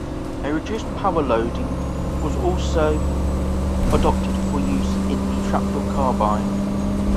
A reduced power loading was also adopted for use in the trapdoor carbine.